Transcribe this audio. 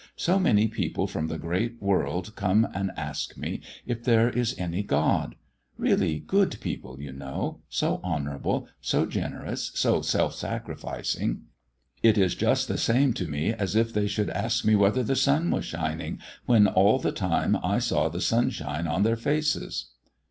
So many people from the great world come and ask me if there is any God. Really good people, you know, so honourable, so generous, so self sacrificing. It is just the same to me as if they should ask me whether the sun was shining, when all the time I saw the sunshine on their faces."